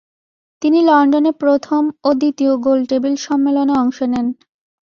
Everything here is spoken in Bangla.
তিনি লন্ডনে প্রথম ও দ্বিতীয় গোল টেবিল সম্মেলনে অংশ নেন।